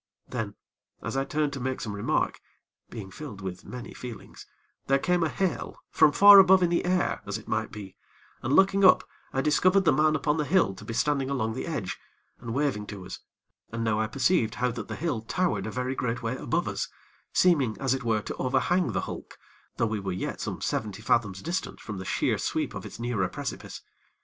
Then, as I turned to make some remark, being filled with many feelings, there came a hail, from far above in the air, as it might be, and, looking up, I discovered the man upon the hill to be standing along the edge, and waving to us, and now I perceived how that the hill towered a very great way above us, seeming, as it were, to overhang the hulk though we were yet some seventy fathoms distant from the sheer sweep of its nearer precipice.